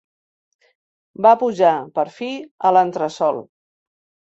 Va pujar, per fi, a l'entresol